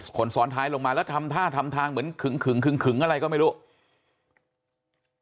คนซ้อนท้ายลงมาแล้วทำท่าทำทางเหมือนขึงขึงอะไรก็ไม่รู้